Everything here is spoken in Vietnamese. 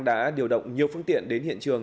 đã điều động nhiều phương tiện đến hiện trường